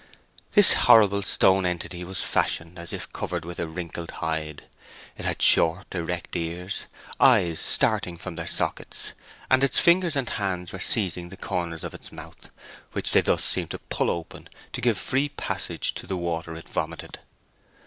This horrible stone entity was fashioned as if covered with a wrinkled hide; it had short, erect ears, eyes starting from their sockets, and its fingers and hands were seizing the corners of its mouth, which they thus seemed to pull open to give free passage to the water it vomited.